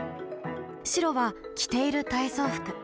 白は着ている体操服。